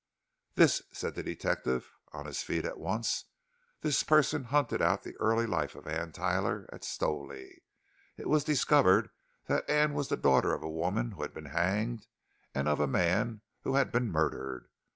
"This," said the detective, on his feet at once; "this person hunted out the early life of Anne Tyler at Stowley. It was discovered that Anne was the daughter of a woman who had been hanged, and of a man who had been murdered.